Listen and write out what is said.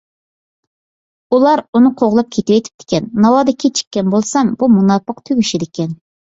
ئۇلار ئۇنى قوغلاپ كېتىۋېتىپتىكەن. ناۋادا كېچىككەن بولسام بۇ مۇناپىق تۈگىشىدىكەن.